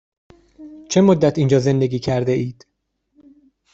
چه مدت اینجا زندگی کرده اید؟